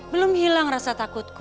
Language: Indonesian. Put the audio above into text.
belum hilang rasa takutku